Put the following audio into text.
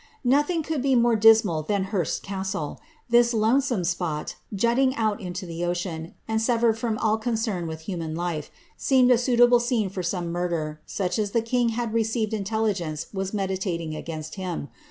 Nothing could be more dismal tlian Hurst castle. This lonesome spot, jutting out into the ocean, and severed from all concern with human life, seemed a suitable scene for some murder, such as the king had received intelligence was meditating against him.